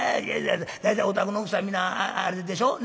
大体お宅の奥さんや皆あれでしょ